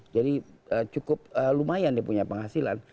jadi cukup lumayan dia punya penghasilan